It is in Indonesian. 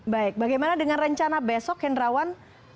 baik bagaimana dengan rencana besok hendrawan